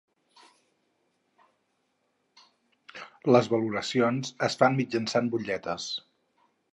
Les valoracions es fan mitjançant butlletes.